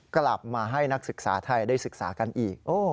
กลับมาให้นักศึกษาไทยได้ศึกษากันอีก